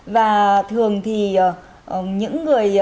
và thường thì những người